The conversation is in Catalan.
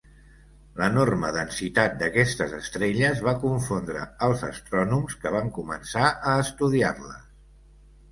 L'enorme densitat d'aquestes estrelles va confondre els astrònoms que van començar a estudiar-les.